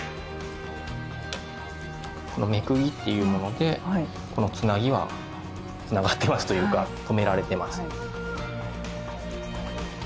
この目釘っていうものでこのつなぎはつながってますというかとめられてます。